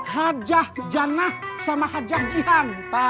hajah jannah sama hajah jihanta